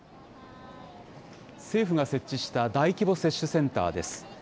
政府が設置した大規模接種センターです。